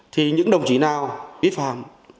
thì những đồng chí nào vi phạm